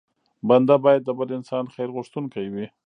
بنده بايد د بل انسان خیر غوښتونکی وي.